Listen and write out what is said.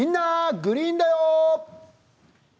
グリーンだよ」。